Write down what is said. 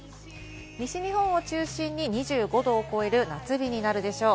西日本を中心に２５度を超える夏日になるでしょう。